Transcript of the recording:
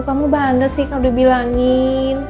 kamu bandet sih kalau udah bilangin